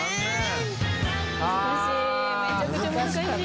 めちゃくちゃ難しい。